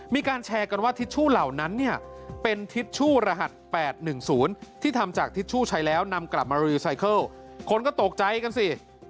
มีการแชร์กันว่าทิชชู่เหล่านั้นเนี่ยเป็นทิชชู่รหัส๘๑๐ที่ทำจากทิชชู่ใช้แล้วนำกลับมารีไซเคิลคนก็ตกใจกันสิ